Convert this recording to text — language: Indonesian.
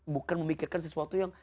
bukan memikirkan sesuatu yang